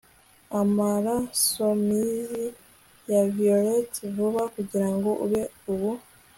Amarasomizi na violets vuba kugirango ube ubu